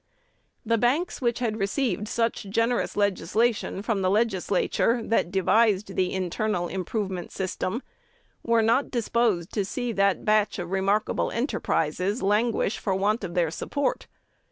The banks which had received such generous legislation from the Legislature that devised the internal improvement system were not disposed to see that batch of remarkable enterprises languish for want of their support.